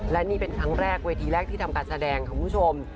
และนี่เป็นวิธีแรกที่ทำการแสดงของคุณชม